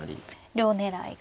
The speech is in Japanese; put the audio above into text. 両狙いが。